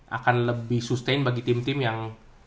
akan lebih sustain bagi tim tim yang